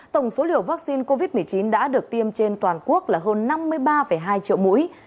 tổng số liều vaccine covid một mươi chín đã được tiêm trên toàn quốc là hơn năm mươi ba hai triệu mũi